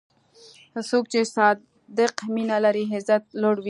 څوک چې صادق مینه لري، عزت یې لوړ وي.